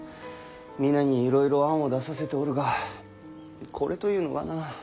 皆にいろいろ案を出させておるがこれというのがなあ。